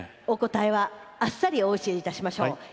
お答えはあっさりお教えいたしましょう。